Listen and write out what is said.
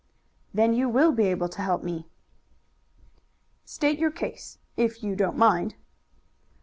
"Then you will be able to help me." "State your case, if you don't mind."